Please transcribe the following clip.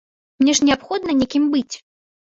Мне ж неабходна некім быць!